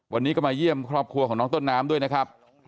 วันนี้ก็มาเยี่ยมครอบครัวของน้องต้นน้ำด้วยนะครับ